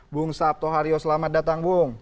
bung sabtohario selamat datang bung